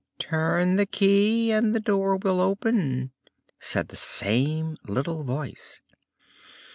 "Turn the key and the door will open," said the same little voice.